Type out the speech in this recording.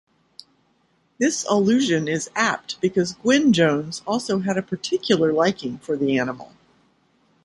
This allusion is apt because Gwynn-Jones also had a particular liking for the animal.